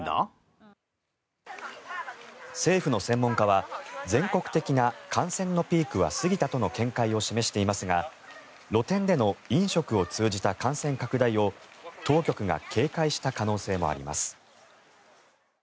政府の専門家は全国的な感染のピークは過ぎたとの見解を示していますが露店での飲食を通じた感染拡大を当局が警戒した可能性もあります。